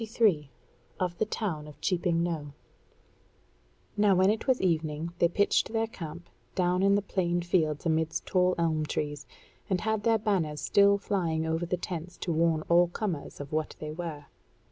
CHAPTER 23 Of the Town of Cheaping Knowe Now when it was evening they pitched their camp down in the plain fields amidst tall elmtrees, and had their banners still flying over the tents to warn all comers of what they were.